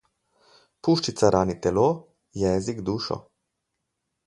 Puščica rani telo, jezik dušo.